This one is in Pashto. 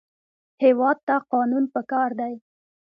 هېواد ته قانون پکار دی